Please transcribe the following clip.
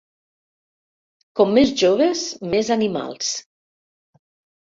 Com més joves, més animals.